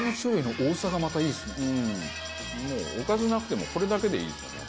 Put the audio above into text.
もうおかずなくてもこれだけでいいですよね。